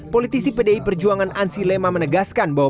politisi pdi perjuangan ansi lema menegaskan bahwa